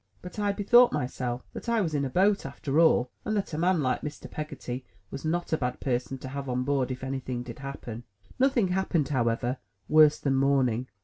But I be thought myself that I was in a boat, after all, and that a man like Mr. Peggotty was not a bad person to have on board if any thing did happen. Nothing happened, however, worse than morning.